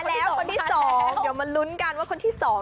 แล้วคนที่๒เดี๋ยวมาลุ้นกันว่าคนที่๒